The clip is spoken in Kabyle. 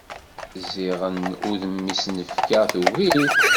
Ziɣen udem i s-nefka tugi-t.